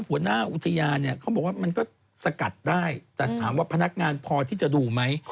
หัวหน้าอุทยานเนี่ยเขาบอกว่ามันก็สกัดได้แต่ถามว่าพนักงานพอที่จะดูไหม